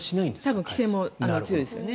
規制も強いですよね。